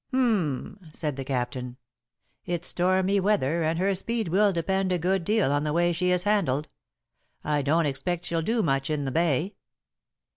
"H'm," said the captain; "it's stormy weather, and her speed will depend a good deal on the way she is handled. I don't expect she'll do much in the Bay."